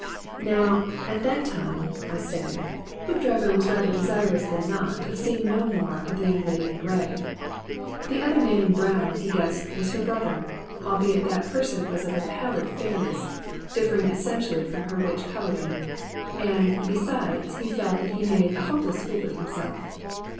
Now, at that time, I say, Hoopdriver was rather desirous than not of seeing no more of the Young Lady in Grey. The other man in brown he guessed was her brother, albeit that person was of a pallid fairness, differing essentially from her rich colouring; and, besides, he felt he had made a hopeless fool of himself.